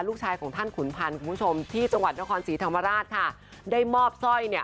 ลูกชายของท่านขุนพันธ์คุณผู้ชมที่จังหวัดนครศรีธรรมราชค่ะได้มอบสร้อยเนี่ย